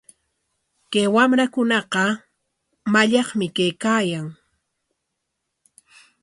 Kay wamrakunaqa mallaqmi kaykaayan.